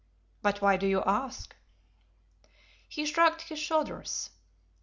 But why do you ask?" He shrugged his shoulders.